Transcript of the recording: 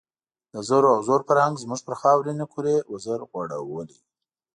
د زرو او زور فرهنګ زموږ پر خاورینې کُرې وزر غوړولی.